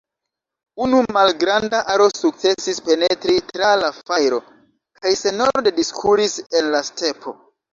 Unu malgranda aro sukcesis penetri tra la fajro kaj senorde diskuris en la stepo.